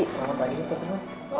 selamat pagi mas firman